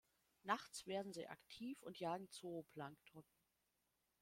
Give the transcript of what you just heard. Nachts werden sie aktiv und jagen Zooplankton.